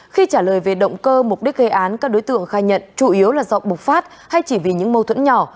khi trả lời về động cơ mục đích gây án các đối tượng khai nhận chủ yếu là do bục phát hay chỉ vì những mâu thuẫn nhỏ